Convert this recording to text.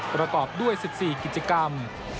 ประกอบด้วย๑๔กิจกรรม